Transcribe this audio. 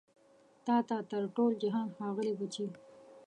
تا ته تر ټول جهان ښاغلي بچي